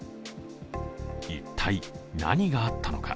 一体、何があったのか。